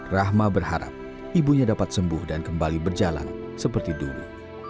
rahma berharap ibunya dapat sembuh dan kembali berjalan seperti dulu